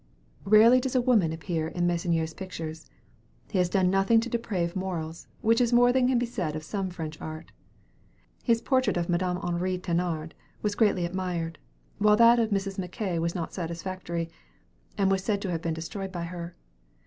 Rarely does a woman appear in Meissonier's pictures. He has done nothing to deprave morals, which is more than can be said of some French art. His portrait of Madame Henri Thénard was greatly admired, while that of Mrs. Mackay was not satisfactory, and was said to have been destroyed by her.